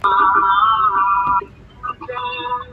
সে আমাকে নিরাপদে ভালোবাসিতে পারে।